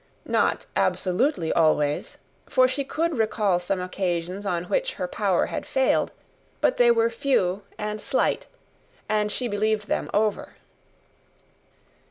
Not absolutely always, for she could recall some occasions on which her power had failed; but they were few and slight, and she believed them over.